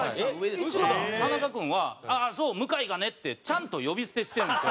向：田中君は「そう、向がね」って、ちゃんと呼び捨てしてるんですよ。